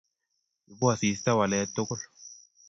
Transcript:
Ibu asista waleet tugul